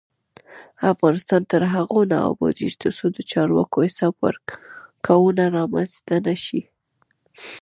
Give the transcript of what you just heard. افغانستان تر هغو نه ابادیږي، ترڅو د چارواکو حساب ورکونه رامنځته نشي.